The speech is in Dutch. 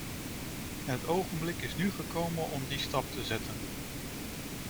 Het ogenblik is nu gekomen om die stap te zetten.